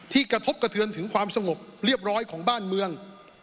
กระทบกระเทือนถึงความสงบเรียบร้อยของบ้านเมือง